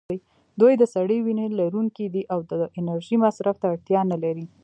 دوی د سړې وینې لرونکي دي او د انرژۍ مصرف ته اړتیا نه لري.